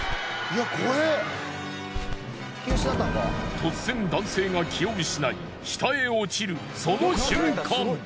突然男性が気を失い下へ落ちるその瞬間